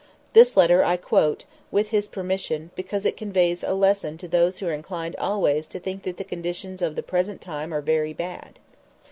This letter I quote, with his permission, because it conveys a lesson to those who are inclined always to think that the conditions of the present time are very bad.